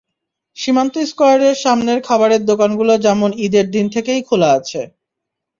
সীমান্ত স্কয়ারের সামনের খাবারের দোকানগুলো যেমন ঈদের দিন থেকেই খোলা আছে।